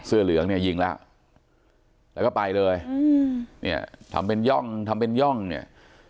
เหลืองเนี่ยยิงแล้วแล้วก็ไปเลยอืมเนี่ยทำเป็นย่องทำเป็นย่องเนี่ย